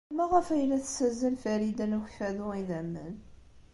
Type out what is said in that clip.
Maɣef ay la tessazzal Farida n Ukeffadu idammen?